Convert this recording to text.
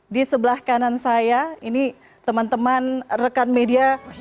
di sebelah kanan saya ini teman teman rekan media